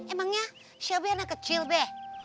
emangnya siapa anak kecil be